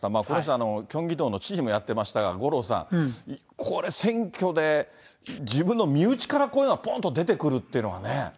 この人はキョンギ道の知事もやってましたが、五郎さん、これ、選挙で、自分の身内からこういうのがぽんと出てくるっていうのはね。